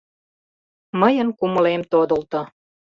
Мыйын кумылем тодылто.